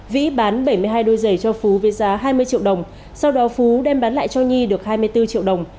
vĩ bán bảy mươi hai đôi giày cho phú với giá hai mươi triệu đồng sau đó phú đem bán lại cho nhi được hai mươi bốn triệu đồng